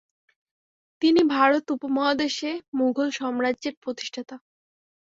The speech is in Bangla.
তিনি ভারত উপমহাদেশে মুঘল সাম্রাজ্যের প্রতিষ্ঠাতা।